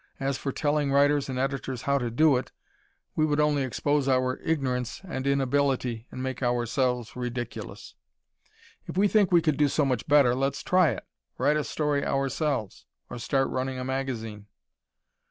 As for telling writers and editors "how to do it," we would only expose our ignorance and inability and make ourselves ridiculous. If we think we could do so much better, let's try it. Write a story ourselves or start running a magazine!